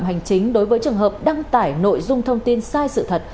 sử phạm hành chính đối với trường hợp đăng tải nội dung thông tin sai sự thật